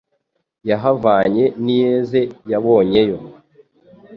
Yahavanye n'iyeze yabonye yo.